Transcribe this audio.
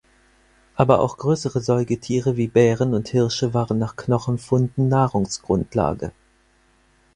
Aber auch größere Säugetiere wie Bären und Hirsche waren nach Knochenfunden Nahrungsgrundlage.